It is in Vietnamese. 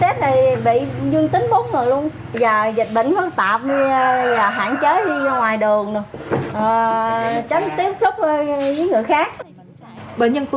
test này bị như tính bốn người luôn giờ dịch bệnh phân tạp hạn chế đi ngoài đường tránh tiếp xúc với người khác